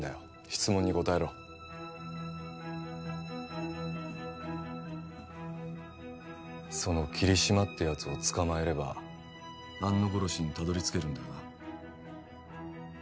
質問に答えろその桐島ってやつを捕まえれば安野殺しにたどりつけるんだよな？